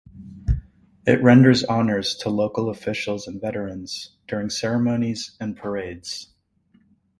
It renders honors to local officials and veterans during ceremonies and parades.